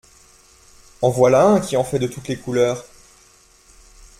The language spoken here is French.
En voilà un qui en a fait de toutes les couleurs…